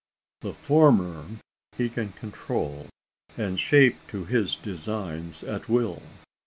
The former he can control, and shape to his designs at will.